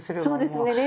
そうですね。